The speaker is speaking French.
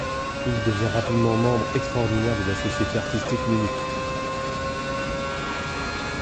Il devient rapidement membre extraordinaire de la Société artistique Munich.